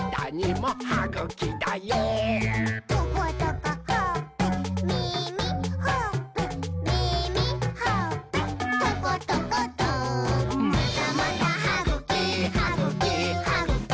「トコトコほっぺ」「みみ」「ほっぺ」「みみ」「ほっぺ」「トコトコト」「またまたはぐき！はぐき！はぐき！